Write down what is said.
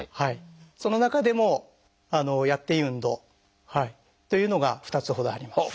その中でもやっていい運動というのが２つほどあります。